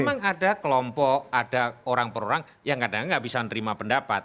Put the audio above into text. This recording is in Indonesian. memang ada kelompok ada orang per orang yang kadang kadang nggak bisa menerima pendapat